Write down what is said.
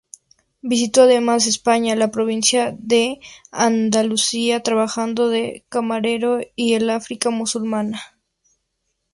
Visitó además España, la provincia de Andalucía, trabajando de camarero y el África musulmana.